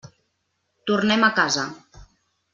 Tornem a casa.